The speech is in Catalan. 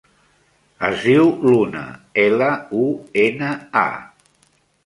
Es diu Luna: ela, u, ena, a.